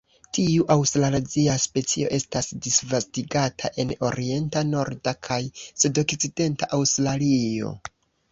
Tiu aŭstralazia specio estas disvastigata en orienta, norda kaj sudokcidenta Aŭstralio.